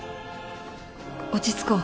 落ち着こう